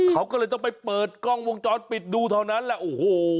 เขาก็เลยต้องไปเปิดกล้องวงจรปิดดูเท่านั้นแหละโอ้โห